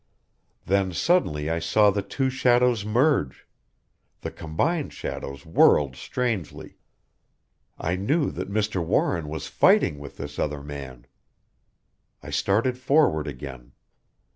Then suddenly I saw the two shadows merge the combined shadow whirled strangely. I knew that Mr. Warren was fighting with this other man. "I started forward again.